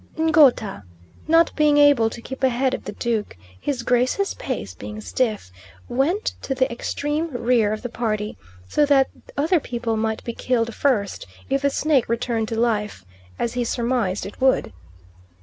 Ngouta, not being able to keep ahead of the Duke, his Grace's pace being stiff, went to the extreme rear of the party, so that other people might be killed first if the snake returned to life, as he surmised it would.